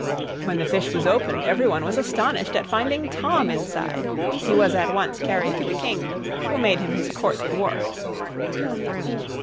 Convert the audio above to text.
When the fish was opened, everyone was astonished at finding Tom inside. He was at once carried to the King, who made him his Court dwarf.